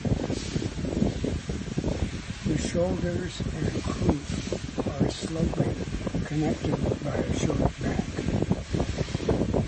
The shoulders and croup are sloping, connected by a short back.